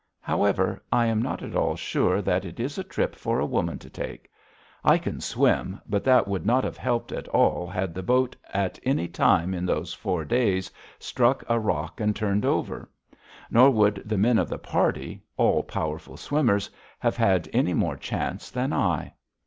However, I am not at all sure that it is a trip for a woman to take. I can swim, but that would not have helped at all had the boat, at any time in those four days, struck a rock and turned over. Nor would the men of the party, all powerful swimmers, have had any more chance than I.